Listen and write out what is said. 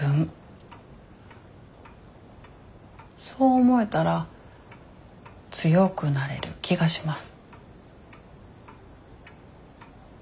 そう思えたら強くなれる気がします。